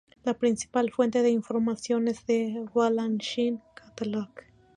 La principal fuente de información es "The Balanchine Catalog.